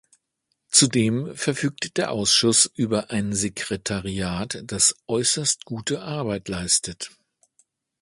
Zudem verfügt der Ausschuss über ein Sekretariat, das äußerst gute Arbeit leistet.